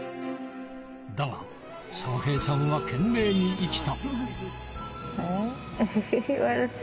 だが、翔平ちゃんは懸命に生きた。